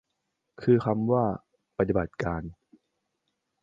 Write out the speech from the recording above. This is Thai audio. คือคำว่า ปฏิบัติการ